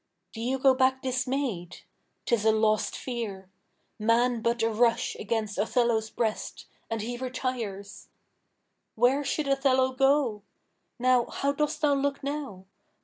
Do you go back dismayed? 't is a lost fear; Man but a rush against Othello's breast, And he retires: where should Othello go? Now, how dost thou look now?